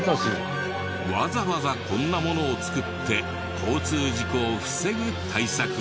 わざわざこんなものを造って交通事故を防ぐ対策を。